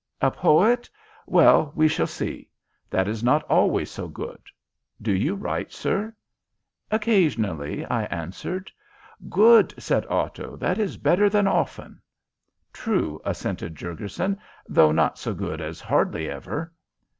A poet? Well we shall see. That is not always so good. Do you write, sir?" "Occasionally," I answered. "Good," said Otto. "That is better than often." "True," assented Jurgurson, "though not so good as hardly ever."